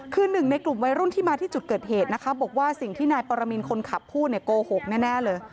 คือหนึ่งในกลุ่มวัยรุ่นที่มาที่จุดเกิดเหตุนะคะบอกว่าสิ่งที่นายปรมินคนขับพูดเนี่ยโกหกแน่เลย